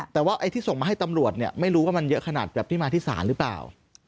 แต่ว่าไอ้ที่ส่งมาให้ตำรวจเนี่ยไม่รู้ว่ามันเยอะขนาดแบบที่มาที่ศาลหรือเปล่า